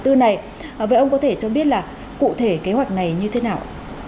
vậy ông có thể cho biết là cụ thể kế hoạch này như thế nào